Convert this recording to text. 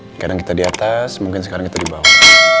sekarang kita di atas mungkin sekarang kita di bawah